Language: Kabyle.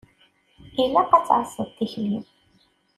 Ilaq ad tɛasseḍ tikli-m.